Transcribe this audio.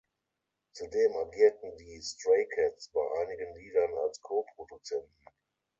Zudem agierten die Stray Cats bei einigen Liedern als Co-Produzenten.